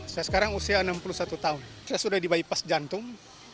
saya sekarang usia enam puluh satu tahun saya sudah di bypass jantung